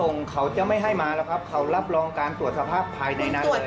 ส่งเขาจะไม่ให้มาหรอครับเขารับรองการตรวจสภาพภายในทางด้วย